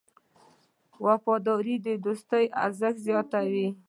وفاداري د دوستۍ ارزښت زیاتوي.